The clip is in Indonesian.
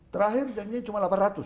terakhir janjinya cuma delapan ratus